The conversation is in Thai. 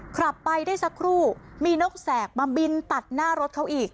ขับไปได้สักครู่มีนกแสกมาบินตัดหน้ารถเขาอีก